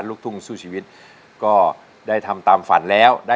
หนูรู้สึกดีมากเลยค่ะ